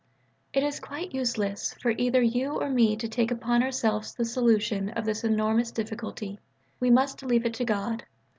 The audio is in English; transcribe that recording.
It is quite useless for either you or me to take upon ourselves the solution of this enormous difficulty: we must leave it to God.